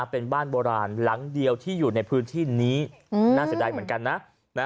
เป็นบ้านโบราณหลังเดียวที่อยู่ในพื้นที่นี้น่าเสียดายเหมือนกันนะ